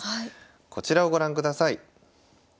こちらをご覧ください。